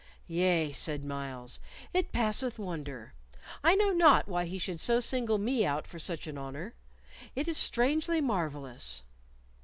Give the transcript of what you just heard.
"Yea," said Myles, "it passeth wonder. I know not why he should so single me out for such an honor. It is strangely marvellous."